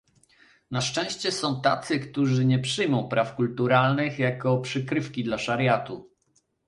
Na szczęście są tacy, którzy nie przyjmą praw kulturalnych jako przykrywki dla szariatu